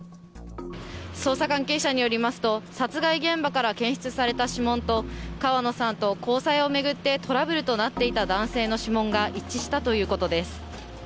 捜査関係者によりますと、殺害現場から検出された指紋と川野さんと交際を巡ってトラブルとなっていた男性の指紋が一致したということです。